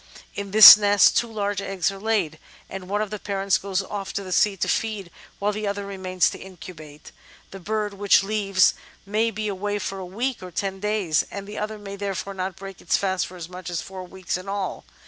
In this nest two large eggs are laid, and one of the parents goes off to the sea to feed while the other remains to incubate. The bird which leaves may be away for a week or ten days, and the other may therefore not break its fast for as much as four weeks in all.